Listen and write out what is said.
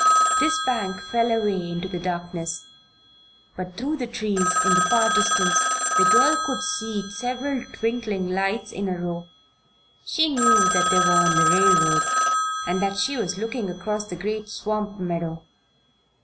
This bank fell away into the darkness, but through the trees, in the far distance, the girl could see several twinkling lights in a row. She knew that they were on the railroad, and that she was looking across the great swamp meadow.